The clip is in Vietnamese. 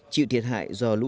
chịu thiệt hại do lũ lụt gây ra